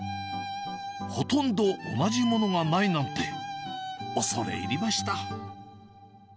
ほとんど同じものがないなんて、恐れ入りました。